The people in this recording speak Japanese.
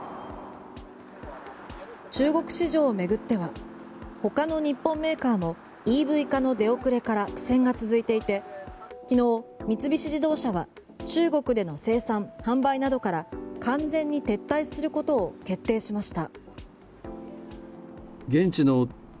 中国市場を巡っては他の日本メーカーもＥＶ化の出遅れから苦戦が続いていて昨日、三菱自動車は中国での生産・販売などから完全に撤退することを決定しました。